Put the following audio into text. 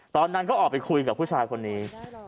ตอนนั้นก็ออกไปคุยกับผู้ชายคนนี้